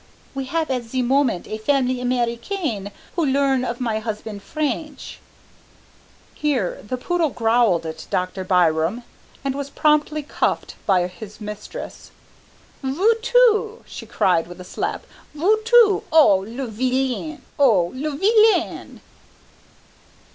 We have at ze moment a family Americaine who learn of my husband Frainch " Here the poodle growled at Dr. Byram and was promptly cuffed by his mistress. "Veux tu!" she cried, with a slap, "veux tu! Oh! le vilain, oh! le vilain!"